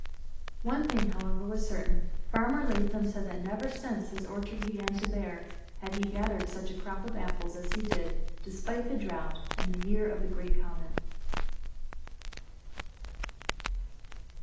One thing, however, was certain: Farmer Lathem said that never, since his orchard began to bear, had he gathered such a crop of apples as he did, despite the drought, in the year of the great comet.